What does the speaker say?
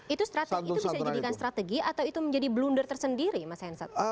itu bisa dijadikan strategi atau itu menjadi blunder tersendiri mas hensat